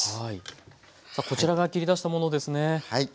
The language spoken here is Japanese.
さあこちらが切り出したものですね。